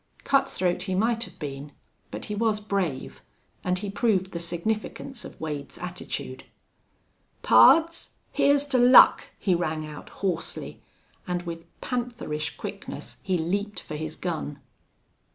Cutthroat he might have been, but he was brave, and he proved the significance of Wade's attitude. "Pards, hyar's to luck!" he rang out, hoarsely, and with pantherish quickness he leaped for his gun.